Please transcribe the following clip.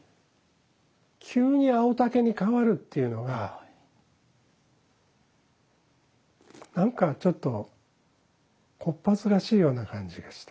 急に青竹に変わるっていうのが何かちょっと小っ恥ずかしいような感じがした。